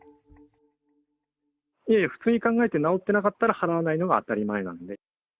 いやいや、普通に考えて、直ってなかったら払わないのは当たり前なんで。